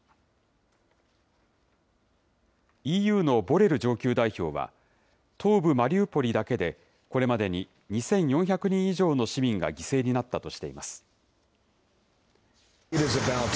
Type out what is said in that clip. ＥＵのボレル上級代表は、東部マリウポリだけでこれまでに２４００人以上の市民が犠牲になったとしています。